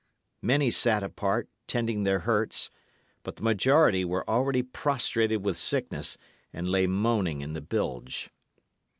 Many sat apart, tending their hurts, but the majority were already prostrated with sickness, and lay moaning in the bilge.